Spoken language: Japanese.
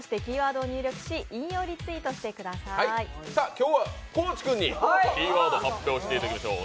今日は高地君にキーワード発表していただきます。